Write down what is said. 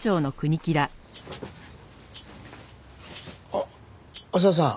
あっ浅輪さん。